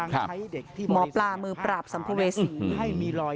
หมอปลามือปราบสัมพิเวศิ